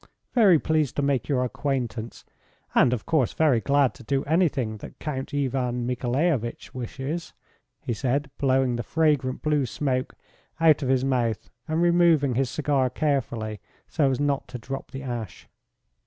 "Very pleased to make your acquaintance and of course very glad to do anything that Count Ivan Michaelovitch wishes," he said, blowing the fragrant blue smoke out of his mouth and removing his cigar carefully so as not to drop the ash.